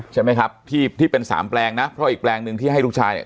ใช่ไหมครับที่ที่เป็นสามแปลงนะเพราะอีกแปลงหนึ่งที่ให้ลูกชายเนี่ย